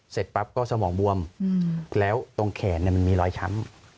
เสร็จปั๊บก็สมองบวมแล้วตรงแขนมันมีรอยช้ำ